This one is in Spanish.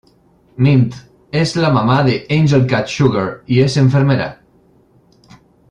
Mint: es la mamá de Angel Cat Sugar y es enfermera.